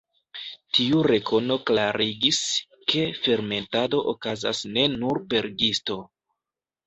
Tiu rekono klarigis, ke fermentado okazas ne nur per gisto.